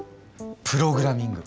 プログラミング。